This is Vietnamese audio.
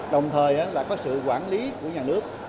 đồng thời là có sự quản lý của nhà nước